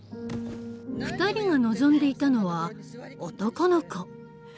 ２人が望んでいたのは男の子。